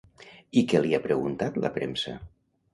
I què li ha preguntat la premsa?